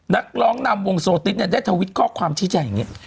นักร้องนำวงโซติ๊ดเนี่ยได้ทวิตข้อความชี้แจงอย่างนี้